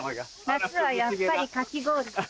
夏はやっぱりかき氷です。